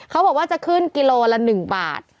เขาบอกว่าจะขึ้นกิโลละ๑บาท